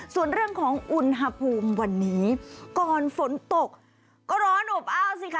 ส่วนเรื่องของอุณหภูมิวันนี้ก่อนฝนตกก็ร้อนอบอ้าวสิคะ